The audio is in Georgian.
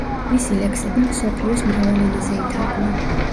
მისი ლექსები მსოფლიოს მრავალ ენაზე ითარგმნა.